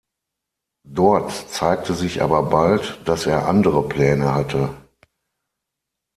Dort zeigte sich aber bald, dass er andere Pläne hatte.